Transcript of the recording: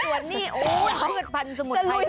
คุณนี่โอ๊ยเขาบริจสมุทรไพมาเที่ยว